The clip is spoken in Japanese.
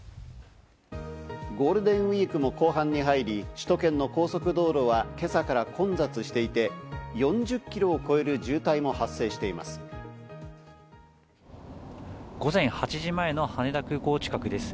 ゴールデンウイークも後半に入り、首都圏の高速道路は今朝から混雑していて、４０キロ午前８時前の羽田空港近くです。